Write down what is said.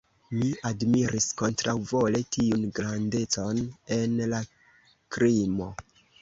Mi admiris kontraŭvole tiun grandecon en la krimo.